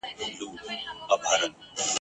تعلیم د نجونو رهبري وړتیاوو ته وده ورکوي.